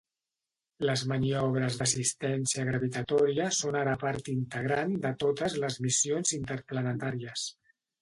Les maniobres d'assistència gravitatòria són ara part integrant de totes les missions interplanetàries.